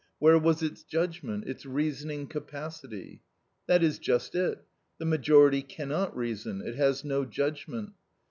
Where was its judgment, its reasoning capacity? That is just it, the majority cannot reason; it has no judgment.